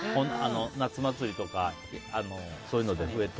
夏祭りとか、そういうので。